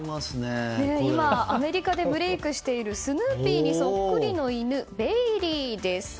今アメリカでブレークしているスヌーピーにそっくりのイヌベイリーです。